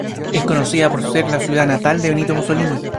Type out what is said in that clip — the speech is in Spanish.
Es conocida por ser la ciudad natal de Benito Mussolini.